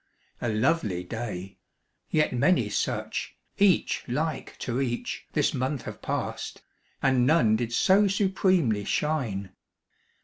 A lovely day! Yet many such, Each like to each, this month have passed, And none did so supremely shine.